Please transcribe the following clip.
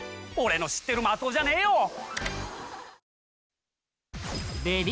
俺の知ってる松尾じゃねえよ！